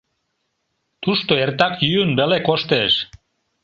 Тушто эртак йӱын веле коштеш.